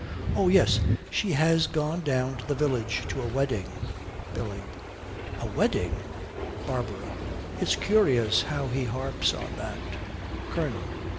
Oh, yes, she has gone down to the village to a wedding.' BILLY. 'A wedding?' BARBARA. 'It's curious how he harps on that.' COLONEL.